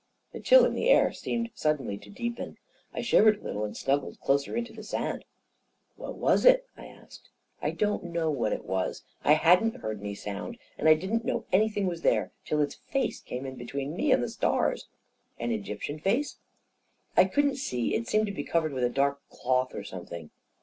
The chill in the air seemed suddenly to deepen. I shivered a little and snuggled closer into the sand. "What was it?" I asked. 44 1 don't know what it was. I hadn't heard any sound, and I didn't know anything was there till its face came in between me and the stars." " An Egyptian face ?"" I couldn't see ; it seemed to be covered with a dark cloth or something."